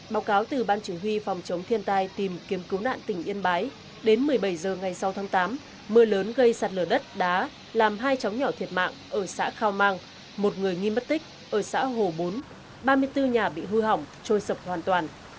báo cáo từ ban chủ huy phòng chống thiên tai tìm kiếm cứu nạn tỉnh yên bái đến một mươi bảy h ngày sáu tháng tám mưa lớn gây sạt lở đất đá làm hai chóng nhỏ thiệt mạng ở xã khao mang một người nghi mất tích ở xã hồ bốn ba mươi bốn nhà bị hư hỏng trôi sập hoàn toàn